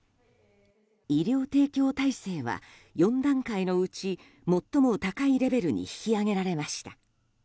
医療提供体制は４段階のうち最も高いレベルに引き上げられました。